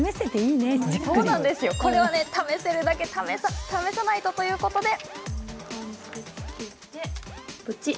これは試せるだけ試さないとということで。